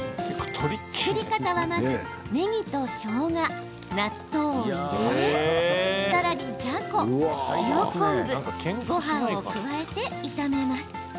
作り方は、まずねぎとしょうが、納豆を入れさらに、じゃこ、塩昆布ごはんを加えて炒めます。